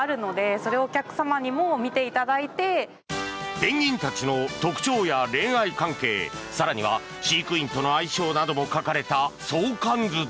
ペンギンたちの特徴や恋愛関係更には飼育員との相性なども書かれた相関図だ。